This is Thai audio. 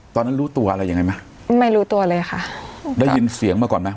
ตอนนั้นรู้ตัวอะไรยังไงไหมไม่รู้ตัวเลยค่ะได้ยินเสียงมาก่อนไหม